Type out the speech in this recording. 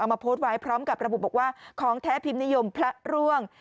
มาโพสต์ไว้พร้อมกับระบุบอกว่าของแท้พิมพ์นิยมพระร่วง